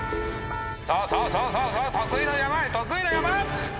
そうそうそうそうそう得意の山得意の山！